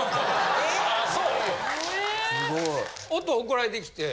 音送られてきて。